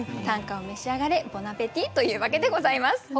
「短歌を召し上がれボナペティ」というわけでございます。